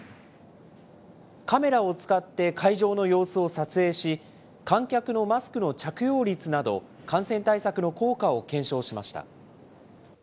カメラを使って会場の様子を撮影し、観客のマスクの着用率など、感染対策の効果を検証しました。